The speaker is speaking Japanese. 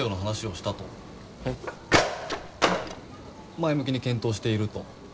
前向きに検討していると？